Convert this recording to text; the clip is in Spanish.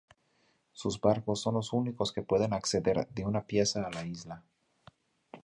Sus barcos son los únicos que pueden acceder de una pieza a la isla.